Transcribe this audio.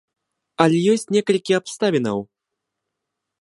Але ёсць некалькі абставінаў.